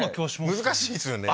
難しいですよね。